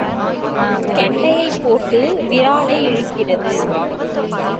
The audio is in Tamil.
கெண்டையைப் போட்டு விராலை இழுக்கிறது.